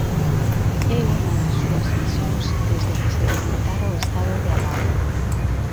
É unha das súas misións desde que se decretara o estado de alarma.